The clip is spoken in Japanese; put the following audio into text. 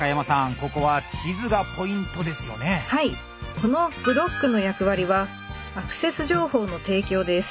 このブロックの役割はアクセス情報の提供です。